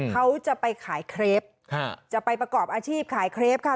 เขาจะไปขายเครปจะไปประกอบอาชีพขายเครปค่ะ